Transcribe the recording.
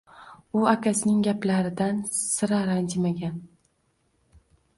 U akasining gaplaridan sira ranjimagan